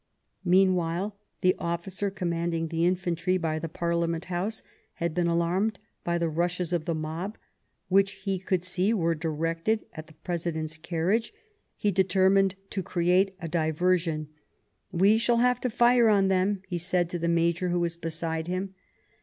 Meanwhile the officer commanding the infantry by the Parliament House had been alarmed by the rushes of the mob, which he could see were directed at the President's carriage. He determined to create a diversion. "We shall have to fire on them," he said to the Major who was beside him.